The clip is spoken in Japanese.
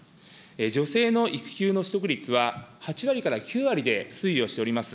女性の育休の取得率は、８割から９割で推移をしております。